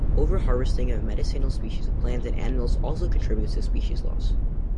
Overharvesting of medicinal species of plants and animals also contributes to species loss.